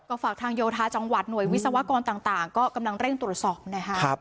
ก็ฝากทางโยธาจังหวัดหน่วยวิศวกรต่างก็กำลังเร่งตรวจสอบนะคะ